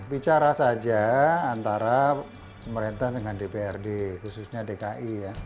bicara saja antara pemerintah dengan dprd khususnya dki ya